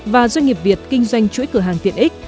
và doanh nghiệp việt kinh doanh chuỗi cửa hàng tiện ích